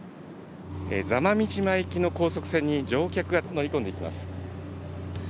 座間味島行きの高速船に、乗客が乗り込んでいきます。